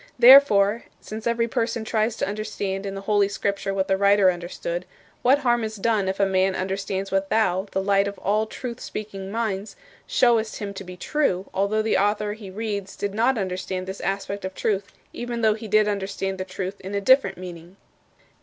Therefore, since every person tries to understand in the Holy Scripture what the writer understood, what harm is done if a man understands what thou, the Light of all truth speaking minds, showest him to be true, although the author he reads did not understand this aspect of the truth even though he did understand the truth in a different meaning?